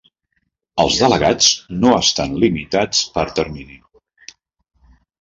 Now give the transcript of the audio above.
Els delegats no estan limitats per termini.